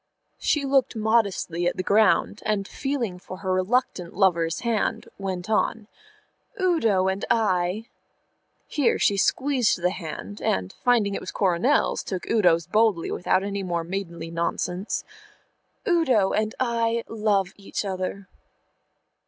She looked modestly at the ground, and, feeling for her reluctant lover's hand, went on, "Udo and I" here she squeezed the hand, and, finding it was Coronel's, took Udo's boldly without any more maidenly nonsense "Udo and I love each other."